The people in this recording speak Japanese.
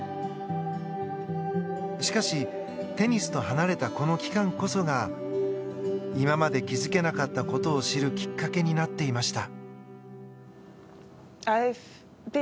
しかし、テニスと離れたこの期間こそが今まで気づけなかったことを知るきっかけになっていました。